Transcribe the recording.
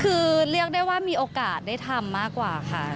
คือเรียกได้ว่ามีโอกาสได้ทำมากกว่าค่ะ